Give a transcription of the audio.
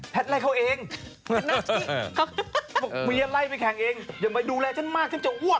บอกว่าไอยังไม่ไล่เราไปแข่งเองอย่าไปดูแลฉันมากฉันจะอ้วก